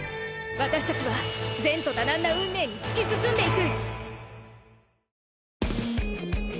私たちは前途多難な運命に突き進んでいく！